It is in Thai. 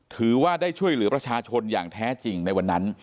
ถือว่าได้ช่วยเหลือประชาชนอย่างแท้จริงในวันนั้น